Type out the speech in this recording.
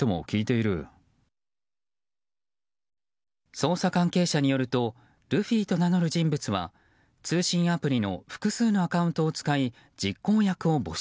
捜査関係者によるとルフィと名乗る人物は通信アプリの複数のアカウントを使い実行役を募集。